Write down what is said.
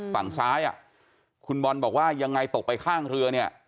ฝั่งซ้ายคุณบอลบอกว่ายังไงตกไปข้างเรือเนี่ย